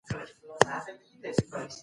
هغه وویل چي نن شپه به په دغه کور کي پاته سي.